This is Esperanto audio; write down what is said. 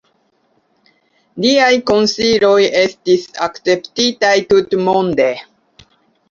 Liaj konsiloj estis akceptitaj tutmonde.